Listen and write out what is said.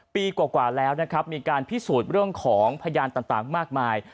ปีกว่าแล้วนะครับมีการพิสูจน์เรื่องของพยานต่างมากมาย